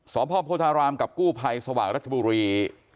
สพโพธารามกับกู้ภัยสว่างรัชบุรี